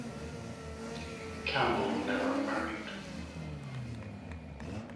Campbell never married.